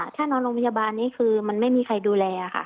ถ้านอนโรงพยาบาลนี้คือมันไม่มีใครดูแลค่ะ